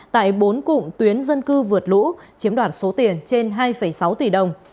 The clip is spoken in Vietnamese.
tại bốn cụm tuyến dân cư vượt lũ chiếm đoạt số tiền trên hai sáu tỷ đồng